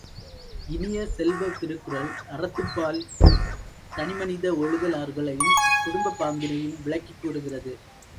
இனிய செல்வ, திருக்குறள் அறத்துப்பால் தனி மனித ஒழுகலாறுகளையும் குடும்பப் பாங்கினையும் விளக்கிக் கூறுகிறது.